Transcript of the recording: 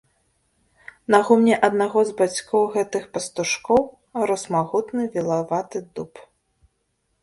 На гумне аднаго з бацькоў гэтых пастушкоў рос магутны вілаваты дуб.